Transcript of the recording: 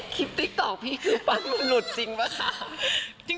คลิปติ๊กต๊อกพี่ฟันหลุดจริงป่ะค่ะ